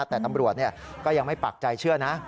แต่ตำรวจก็ยังไม่ปักใจเชื่อนะ